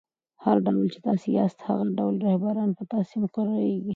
هر ډول، چي تاسي یاست؛ هغه ډول رهبران پر تاسي مقررېږي.